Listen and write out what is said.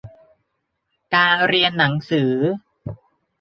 การเรียนหนังสือ